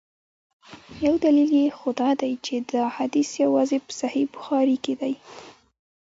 یو دلیل یې خو دا دی چي دا حدیث یوازي په صحیح بخاري کي.